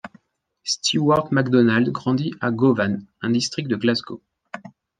Stewart McDonald grandit à Govan, un district de Glasgow.